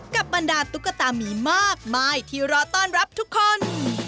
บรรดาตุ๊กตามีมากมายที่รอต้อนรับทุกคน